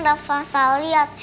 rafa salah liat